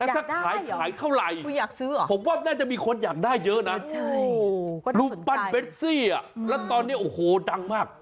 ถ้าขายขายเท่าไหร่ผมว่าน่าจะมีคนอยากได้เยอะนะรูปปั้นเบสซี่แล้วตอนนี้โอ้โหดังมาก